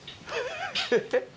えっ？